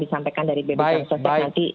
disampaikan dari bp jam sosek nanti